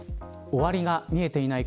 終わりが見えていない